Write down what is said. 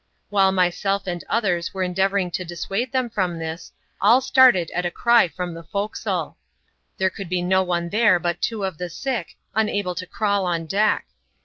While myself and others were endeavouring to dissuade them from this, all started at a cry &om the forecastle. There could be no one there but two of the sick, unable to crawl on deck.